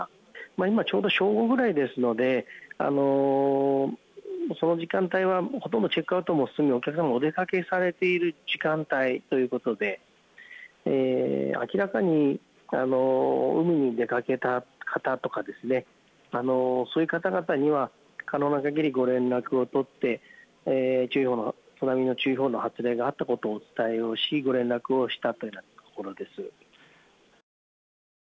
今、ちょうど正午ぐらいですのでその時間帯はほとんどチェックアウトも済んでお客様はお出かけされている時間帯ということで明らかに海に出かけた方とか、そういう方々には可能なかぎりご連絡を取って津波の注意報の発令があったことをお伝えをしご連絡をしたというところです。